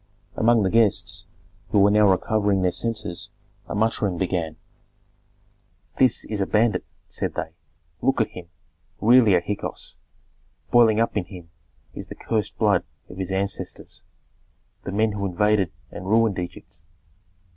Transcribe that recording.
Among the guests, who now were recovering their senses, a muttering began. "This is a bandit!" said they. "Look at him, really a Hyksos. Boiling up in him is the cursed blood of his ancestors, the men who invaded and ruined Egypt.